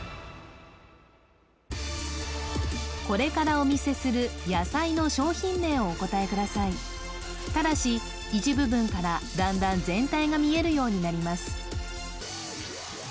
これからお見せする野菜の商品名をお答えくださいただし一部分から段々全体が見えるようになります